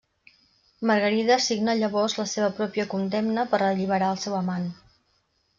Margarida signa llavors la seva pròpia condemna per alliberar el seu amant.